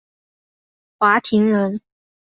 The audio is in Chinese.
华亭人。